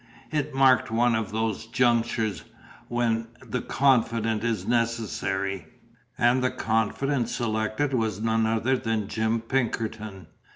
It marked one of those junctures when the confidant is necessary; and the confidant selected was none other than Jim Pinkerton.